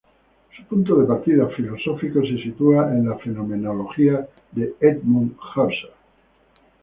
Su punto de partida filosófico se sitúa en la fenomenología de Edmund Husserl.